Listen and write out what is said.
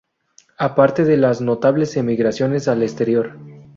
Aparte de las notables emigraciones al exterior.